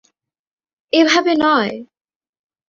এভাবে নয়!